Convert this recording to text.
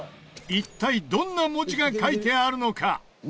一体、どんな文字が書いてあるのか？